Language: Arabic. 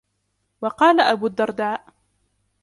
وَقَالَ أَبُو الدَّرْدَاءِ